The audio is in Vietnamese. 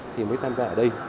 thì mới tham gia ở đây